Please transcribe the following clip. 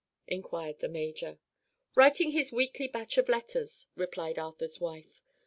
inquired the major. "Writing his weekly batch of letters," replied Arthur's wife.